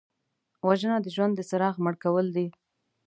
وژنه د ژوند د څراغ مړ کول دي